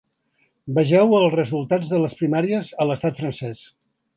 Vegeu els resultats de les primàries a l’estat francès.